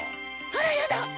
あらやだ！